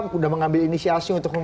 sudah mengambil inisiasi untuk